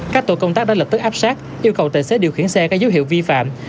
các tổ công tác đã lập tức áp sát yêu cầu tài xế điều khiển xe có dấu hiệu vi phạm